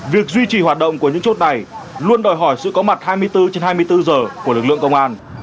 việc duy trì hoạt động của những chốt này luôn đòi hỏi sự có mặt hai mươi bốn trên hai mươi bốn giờ của lực lượng công an